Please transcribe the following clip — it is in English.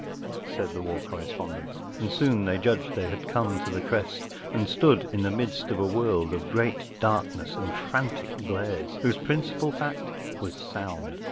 ” said the war correspon¬ dent, and soon they judged they had come to the crest and stood in the midst of a world of great darkness and frantic glares, whose principal fact was sound.